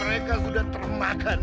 mereka sudah termakan